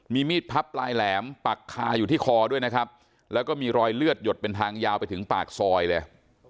มีมีดพับปลายแหลมปักคาอยู่ที่คอด้วยนะครับแล้วก็มีรอยเลือดหยดเป็นทางยาวไปถึงปากซอยเลย